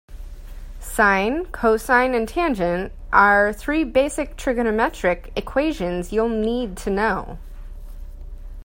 Sine, cosine and tangent are three basic trigonometric equations you'll need to know.